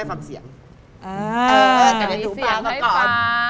บอกเลยนะ